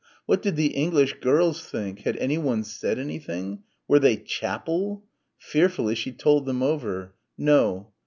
What did the English girls think? Had anyone said anything? Were they chapel? Fearfully, she told them over. No.